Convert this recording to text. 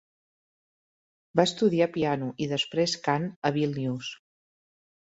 Va estudiar piano i després cant a Vílnius.